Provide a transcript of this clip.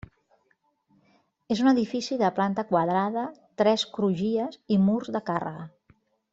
És un edifici de planta quadrada, tres crugies i murs de càrrega.